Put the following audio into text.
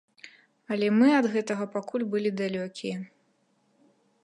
Але мы ад гэтага пакуль былі далёкія.